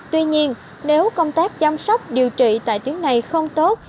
tuy nhiên nếu công tác chăm sóc điều trị tại tuyến này không tốt